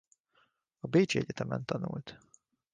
A bécsi egyetemen tanult.